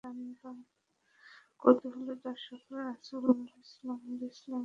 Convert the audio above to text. কৌতূহলী দর্শকরা রাসূল সাল্লাল্লাহু আলাইহি ওয়াসাল্লাম-কে ঠাট্টা করলেও মুসলমানরা ছিল চুপচাপ।